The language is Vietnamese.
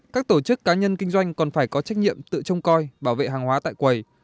các tổ chức cá nhân kinh doanh còn phải có trách nhiệm tự trông coi bảo vệ hàng hóa tại quầy